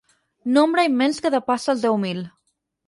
Nombre immens que depassa els deu mil.